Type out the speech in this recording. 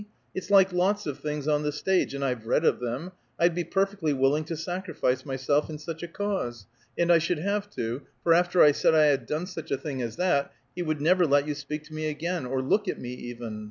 It's like lots of things on the stage, and I've read of them, I'd be perfectly willing to sacrifice myself in such a cause, and I should have to, for after I said I had done such a thing as that, he would never let you speak to me again, or look at me, even.